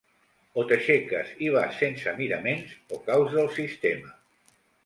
O t’aixeques i vas sense miraments, o caus del sistema.